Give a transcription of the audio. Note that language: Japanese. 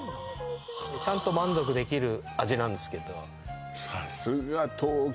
ちゃんと満足できる味なんですけど。